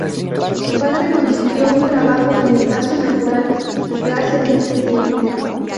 Su padre consiguió un trabajo en El Paso Natural Gas en ese tiempo.